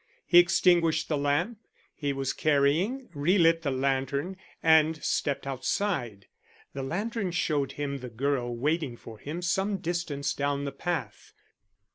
He extinguished the lamp he was carrying, relit the lantern, and stepped outside. The lantern showed him the girl waiting for him some distance down the path.